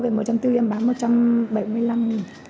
em mua về một trăm bốn mươi em bán một trăm bảy mươi năm